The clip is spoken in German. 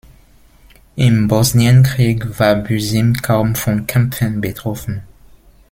Im Bosnienkrieg war Bužim kaum von Kämpfen betroffen.